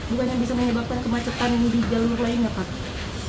bukannya bisa menyebabkan kemacetan di jalur lainnya pak